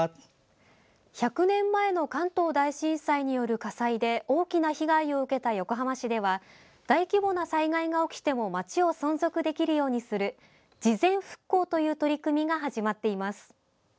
１００年前の関東大震災による火災で大きな被害を受けた横浜市では大規模な災害が起きても街を存続できるようにする「事前復興」という取り組みが始まっています。